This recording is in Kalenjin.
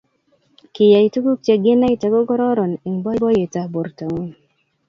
Kiyai tuguk cheginaite kogororon eng boiboiyetab bortangung